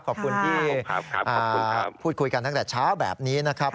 ขอบคุณที่ขอบคุณพูดคุยกันตั้งแต่เช้าแบบนี้นะครับ